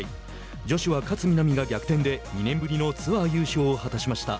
女子は勝みなみが逆転で２年ぶりのツアー優勝を果たしました。